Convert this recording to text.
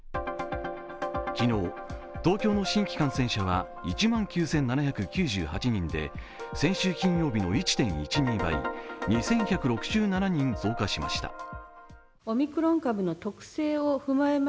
昨日、東京の新規感染者数は１万９７９８人で先週金曜日の１．１２倍、２１６７人増加しました。